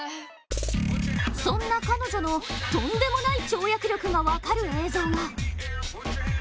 そんな彼女のとんでもない跳躍力が分かる映像が。